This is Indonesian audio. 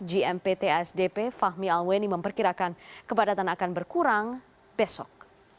gmptsdp fahmi alweni memperkirakan kepadatan akan berkurang besok